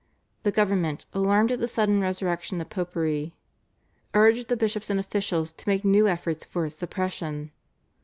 The government, alarmed at the sudden resurrection of Popery, urged the bishops and officials to make new efforts for its suppression.